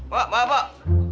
pak pak pak